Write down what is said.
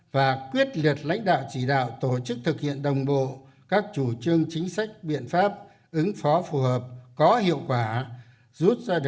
và quyết định đối với đại dịch covid một mươi chín